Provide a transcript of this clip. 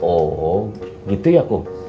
oh gitu ya kum